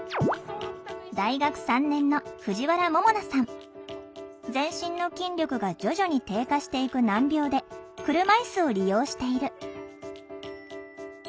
大学３年の全身の筋力が徐々に低下していく難病で車いすを利用している。